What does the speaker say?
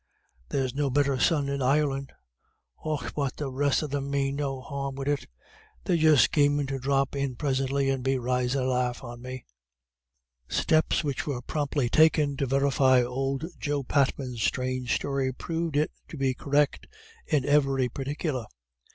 There's no better son in Ireland. Och, but the rest of them mane no harm wid it; they're just schemin' to dhrop in prisintly and be risin' a laugh on me." Steps which were promptly taken to verify old Joe Patman's strange story proved it to be correct in every particular.